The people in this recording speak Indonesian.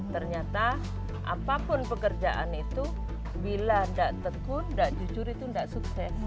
ternyata apapun pekerjaan itu bila tidak tekun tidak jujur itu tidak sukses